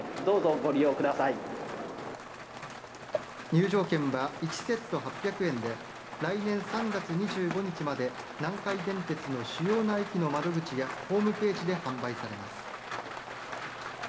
入場券は１セット８００円で来年３月２５日まで南海電鉄の主要な駅の窓口やホームページで販売されます。